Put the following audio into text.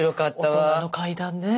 大人の階段ね。